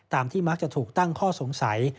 ที่มักจะถูกตั้งข้อสงสัย